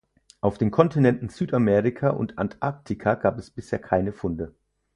Auf den Kontinenten Südamerika und Antarktika gab es bisher keine Funde.